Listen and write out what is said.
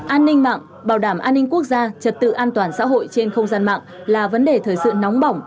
an ninh mạng bảo đảm an ninh quốc gia trật tự an toàn xã hội trên không gian mạng là vấn đề thời sự nóng bỏng